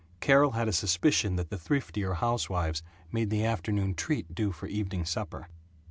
Carol had a suspicion that the thriftier housewives made the afternoon treat do for evening supper.